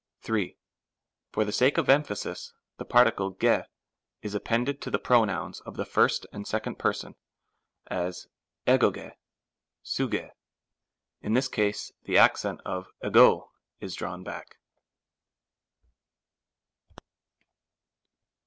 3. For the sake of emphasis the particle yt is ap pended to the pronouns of the 1st and 2d person, as tycoyny ovys ; in this case the accent of iyco is drawn back.